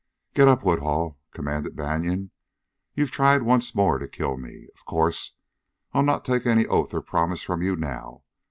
"Get up, Woodhull!" commanded Banion. "You've tried once more to kill me. Of course, I'll not take any oath or promise from you now.